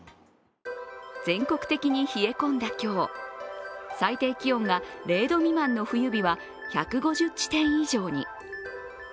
全国的に冷え込んだ今日、最低気温が０度未満の冬日は１５０地点以上に。